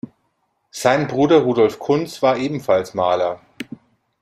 Sein Bruder Rudolf Kuntz war ebenfalls Maler.